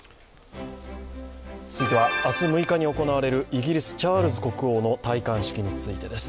続いては明日６日に行われるイギリス・チャールズ国王の戴冠式についてです。